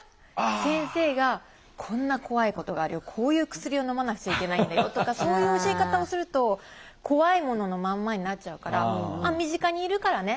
先生が「こんな怖いことがあるよ。こういう薬をのまなくちゃいけないんだよ」とかそういう教え方をすると怖いもののまんまになっちゃうから「身近にいるからね。